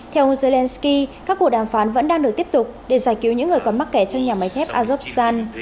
theo zelenskyy các cuộc đàm phán vẫn đang được tiếp tục để giải cứu những người còn mắc kẻ trong nhà máy thép azovstan